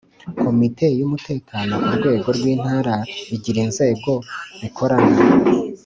Komite y’Umutekano ku rwego rw’Intara igira inzego bikorana